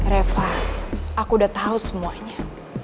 reva aku udah tahu semuanya